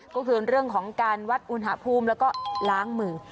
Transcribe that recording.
ก็คือเรื่องของการวัดอุณหภูมิแล้วก็ล้างมือ